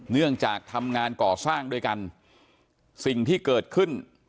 เนื่องจากทำงานก่อสร้างด้วยกันสิ่งที่เกิดขึ้น